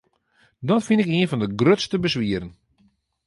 Dat fyn ik ien fan de grutste beswieren.